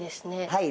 はい。